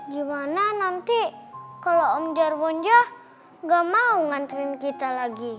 gimana nanti kalau om jarwo aja enggak mau nganterin kita lagi